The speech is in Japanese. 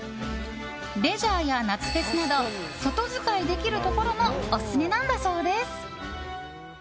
レジャーや夏フェスなど外使いできるところもオススメなんだそうです。